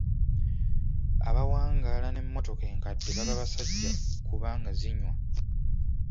Abawangaala n'emmotoka enkadde baba basajja kubanga zinywa.